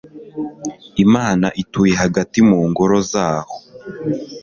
imana ituye hagati mu ngoro zaho